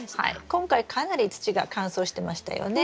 今回かなり土が乾燥してましたよね。